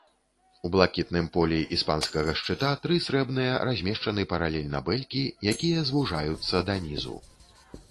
У блакітным полі іспанскага шчыта тры срэбныя размешчаны паралельна бэлькі, якія звужваюцца да нізу.